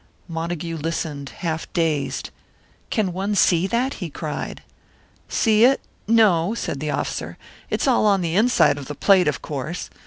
Montague listened, half dazed. "Can one see that?" he cried. "See it? No!" said the officer. "It's all on the inside of the plate, of course.